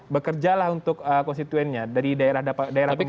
bekerjalah untuk konstituennya dari daerah daerah